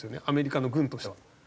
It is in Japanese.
アメリカの軍としては。